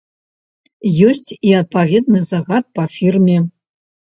Ёсць і адпаведны загад па фірме.